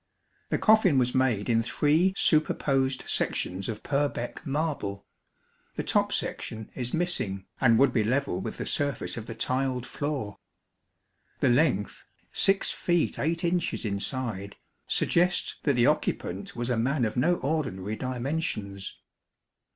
The coffin was made in three superposed sections of Purbeck marble. The top section is missing, and would be level with the surface of the tiled floor. The length, 6 feet 8 inches inside, suggests that the occupant was a man of no ordinary dimensions.